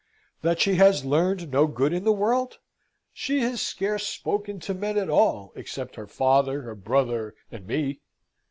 "That she has learned no good in the world? She has scarce spoken to men at all, except her father, her brother, and me.